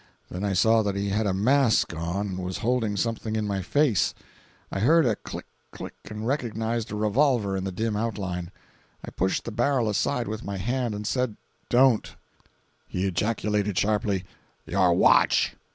Then I saw that he had a mask on and was holding something in my face—I heard a click click and recognized a revolver in dim outline. I pushed the barrel aside with my hand and said: "Don't!" He ejaculated sharply: "Your watch!